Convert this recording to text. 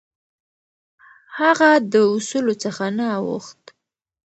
هغه د اصولو څخه نه اوښت.